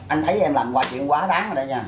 anh thấy em làm quá chuyện quá đáng rồi đó nha